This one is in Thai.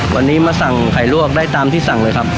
วันนี้มาสั่งไข่ลวกได้ตามที่สั่งเลยครับ